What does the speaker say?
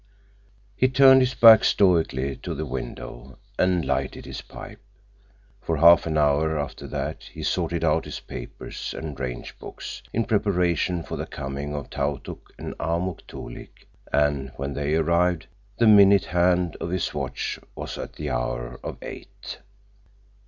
He turned his back stoically to the window and lighted his pipe. For half an hour after that he sorted out his papers and range books in preparation for the coming of Tautuk and Amuk Toolik, and when they arrived, the minute hand of his watch was at the hour of eight.